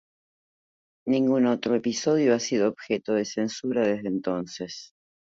Ningún otro episodio ha sido objeto de censura desde entonces.